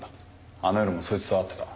あの夜もそいつと会ってた。